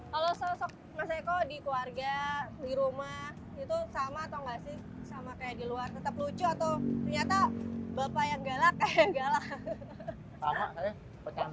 kalau sosok mas eko di keluarga